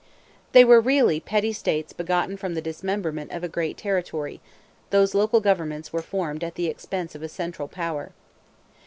They were really petty states begotten from the dismemberment of a great territory; those local governments were formed at the expense of a central power.